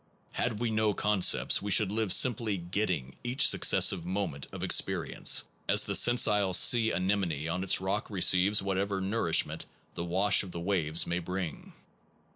Had we no concepts we should live simply getting each successive moment of experience, as the sessile sea anemone on its rock receives what ever nourishment the wash of the waves may bring.